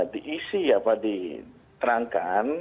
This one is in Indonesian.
diisi apa diterangkan